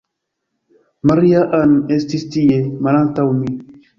Maria-Ann estis tie, malantaŭ mi.